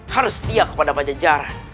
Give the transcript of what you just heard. harus setia kepada pajajaran